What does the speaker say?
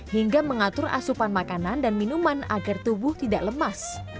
hingga mengatur asupan makanan dan minuman agar tubuh tidak lemas